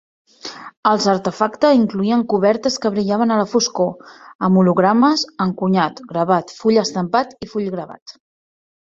Els artefacte incloïen cobertes que brillaven a la foscor, amb hologrames, encunyat, gravat, full estampat i full gravat.